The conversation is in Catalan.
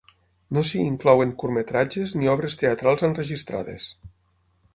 No s'hi inclouen curtmetratges ni obres teatrals enregistrades.